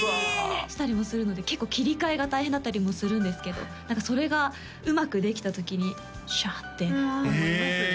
したりもするので結構切り替えが大変だったりもするんですけど何かそれがうまくできた時に「よっしゃ」って思いますね